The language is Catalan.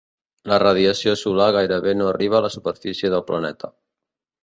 La radiació solar gairebé no arriba a la superfície del planeta.